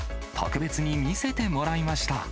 特別に見せてもらいました。